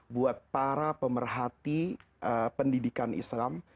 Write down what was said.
buat para pemerhati pendidikan islam